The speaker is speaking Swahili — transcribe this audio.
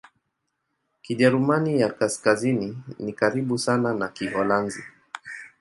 Kijerumani ya Kaskazini ni karibu sana na Kiholanzi.